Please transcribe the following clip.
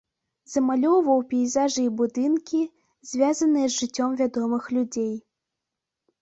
Замалёўваў пейзажы і будынкі, звязаныя з жыццём вядомых людзей.